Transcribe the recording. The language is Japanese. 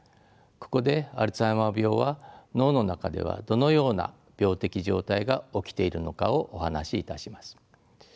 ここでアルツハイマー病は脳の中ではどのような病的状態が起きているのかをお話しいたします。